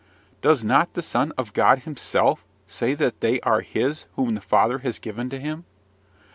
Does not the Son of God himself say that they are his whom the Father has given to him?